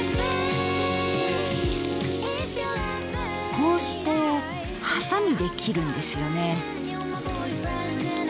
こうしてハサミで切るんですよね。